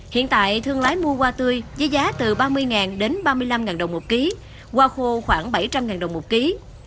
hiện tại thương lái mua hoa tươi với giá từ ba mươi đến ba mươi năm đồng một ký hoa khô khoảng bảy trăm linh đồng một ký